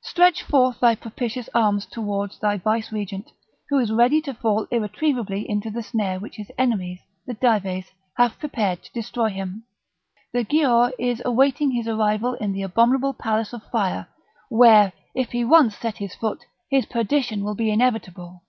stretch forth thy propitious arms towards thy Vicegerent, who is ready to fall irretrievably into the snare which his enemies, the Dives, have prepared to destroy him; the Giaour is awaiting his arrival in the abominable palace of fire, where, if he once set his foot, his perdition will be inevitable."